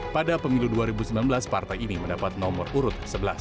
pada pemilu dua ribu sembilan belas partai ini mendapat nomor urut sebelas